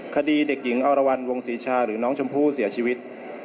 คดีเด็กหญิงอรวรรณวงศรีชาหรือน้องชมพู่เสียชีวิต